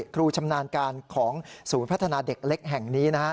ชำนาญการของศูนย์พัฒนาเด็กเล็กแห่งนี้นะฮะ